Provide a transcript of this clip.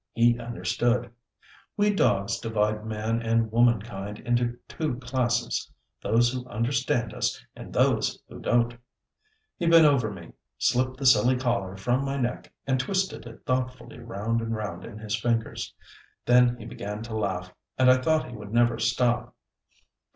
He understood. We dogs divide man and womankind into two classes. Those who understand us, and those who don't. He bent over me, slipped the silly collar from my neck, and twisted it thoughtfully round and round in his fingers. Then he began to laugh, and I thought he would never stop.